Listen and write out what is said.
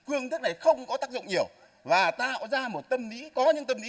phương thức này không có tác dụng nhiều và tạo ra một tâm lý có những tâm lý